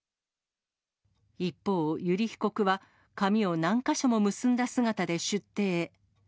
一方、油利被告は、髪を何か所も結んだ姿で出廷。